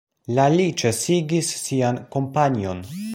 La li ĉesigis sian kampanjon.